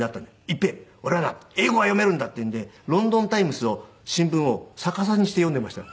「いっ平俺はな英語が読めるんだ」って言うんで『ロンドン・タイムズ』を新聞を逆さにして読んでいました。